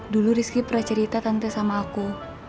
dulu rizky pernah cerita tante sama aku